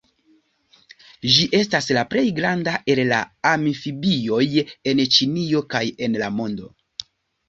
Ĝi estas la plej granda el la amfibioj en Ĉinio kaj en la mondo.